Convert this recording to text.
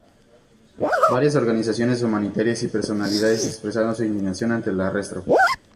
Varias organizaciones humanitarias y personalidades expresaron su indignación ante el arresto.